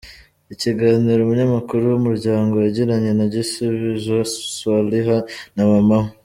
Ikiganiro Umunyamakuru w’ Umuryango yagiranye na Gisubizo Swaliha na mama we.